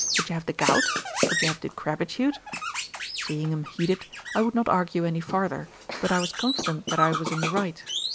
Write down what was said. Would you have the gout? Would you have decrepitude?' Seeing him heated, I would not argue any farther; but I was confident that I was in the right.